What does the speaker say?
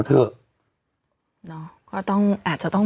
เราก็มีความหวังอะ